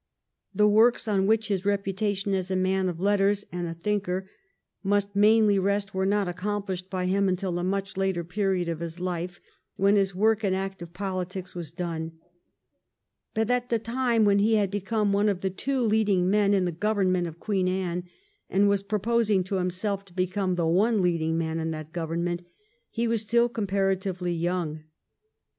The works on which his reputation as a man of letters and a thinker must mainly rest were not accomplished by him until a much later period of his life, when his work in active politics was done ; but at the time when he had become one of the two leading men in the Grovernment of Queen Anne, and was proposing to himself to become the one leading man in that Government, he was still comparatively young.